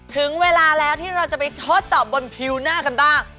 ถึงเวลาแล้วที่เราจะไปทดสอบบนผิวหน้ากันบ้าง